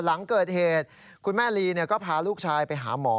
หลังเกิดเหตุคุณแม่ลีก็พาลูกชายไปหาหมอ